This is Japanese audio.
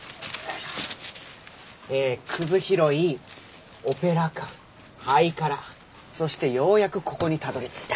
えくず拾いオペラ館ハイカラそしてようやくここにたどりついた。